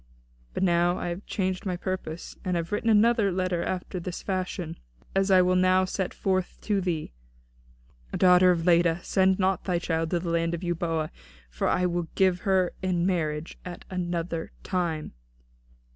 But now I have changed my purpose, and have written another letter after this fashion, as I will now set forth to thee: 'DAUGHTER OF LEDA, SEND NOT THY CHILD TO THE LAND OF EUBOEA, FOR I WILL GIVE HER IN MARRIAGE AT ANOTHER TIME.'"